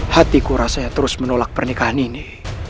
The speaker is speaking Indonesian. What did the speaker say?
hatiku rasanya terus menolak pernikahan ini